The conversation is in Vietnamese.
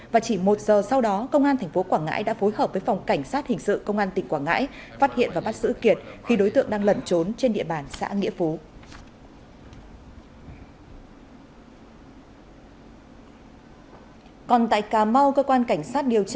và chỉ một giờ sau đó công an tp quảng ngãi đã phối hợp với phòng cảnh sát hình sự công an tỉnh quảng ngãi phát hiện và bắt giữ kiệt khi đối tượng đang lẩn trốn trên địa bàn xã nghĩa phú